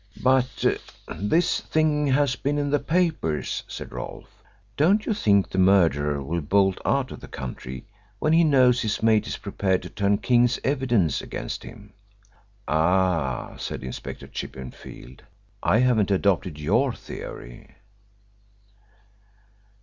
"But this thing has been in the papers," said Rolfe. "Don't you think the murderer will bolt out of the country when he knows his mate is prepared to turn King's evidence against him?" "Ah," said Inspector Chippenfield, "I haven't adopted your theory."